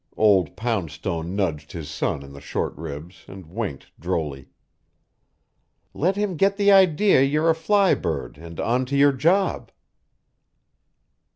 Old Poundstone nudged his son in the short ribs and winked drolly. "Let him get the idea you're a fly bird and on to your job."